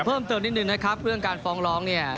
เพิ่มเติมนิดนึงนะครับเรื่องการฟ้องร้องเนี่ย